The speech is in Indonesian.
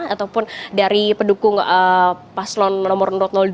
ataupun dari pendukung paslon nomor dua